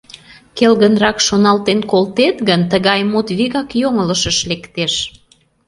Келгынрак шоналтен колтет гын, тыгай мут вигак йоҥылышыш лектеш.